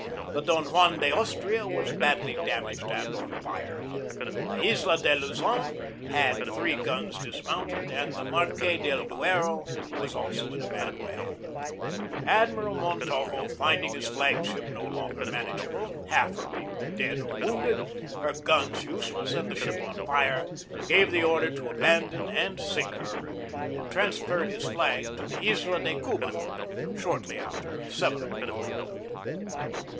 The Don Juan de Austria was badly damaged and on fire, the Isla de Luzon had three guns dismounted, and the Mar ques del Duero was also in a bad way. Admiral 218 GEORGE DEWEY Montojo, finding his flag ship no longer manageable, half her people dead or wounded, her guns useless and the ship on fire, gave the order to abandon and sink her, and transferred his flag to the Isla de Cuba shortly after seven o'clock.